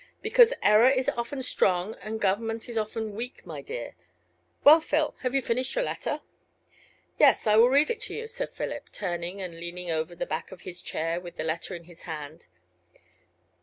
"Because error is often strong, and government is often weak, my dear. Well, Phil, have you finished your letter?" "Yes, I will read it to you," said Philip, turning and leaning over the back of his chair with the letter in his hand.